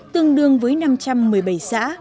tương đương với năm trăm một mươi bảy xã